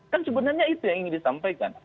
kan sebenarnya itu yang ingin disampaikan